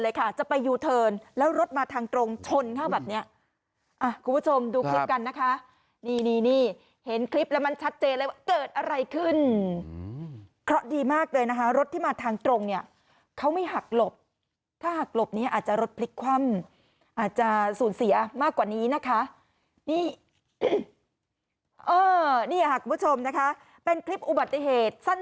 แล้วไปอยู่เทิร์นแล้วรถมาทางตรงชนข้าวแบบนี้อ่ะคุณผู้